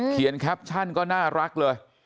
แคปชั่นก็น่ารักเลย